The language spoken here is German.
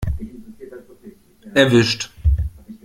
Erwischt!